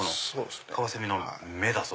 カワセミの目だぞ！